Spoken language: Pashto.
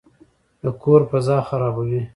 د کور فضا خرابوي.